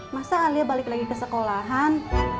masa alia balik lagi ke sekolahan